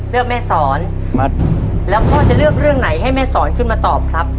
แม่สอนแล้วพ่อจะเลือกเรื่องไหนให้แม่สอนขึ้นมาตอบครับ